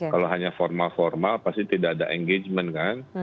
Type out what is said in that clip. kalau hanya formal formal pasti tidak ada engagement kan